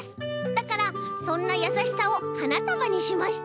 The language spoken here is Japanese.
だからそんなやさしさをはなたばにしました。